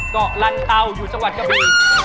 เกาะลันเตาอยู่จังหวัดกระบี